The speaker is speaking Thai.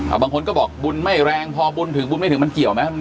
บางคนก็บอกบุญไม่แรงพอบุญถึงบุญไม่ถึงมันเกี่ยวไหม